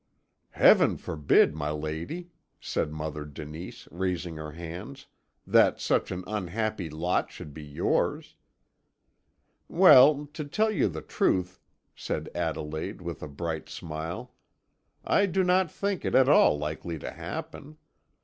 "Heaven forbid, my lady," said Mother Denise, raising her hands, "that such an unhappy lot should be yours!" "Well, to tell you the truth," said Adelaide, with a bright smile, "I do not think it at all likely to happen.